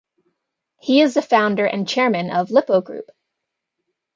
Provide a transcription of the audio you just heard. He is the founder and Chairman of Lippo Group.